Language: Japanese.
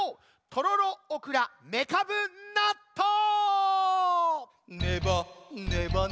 「とろろおくらめかぶなっとう」！